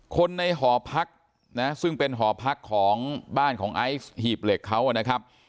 คนในหอพักนะซึ่งเป็นหอพักของบ้านของไอซ์หีบเหล็กเขานะครับ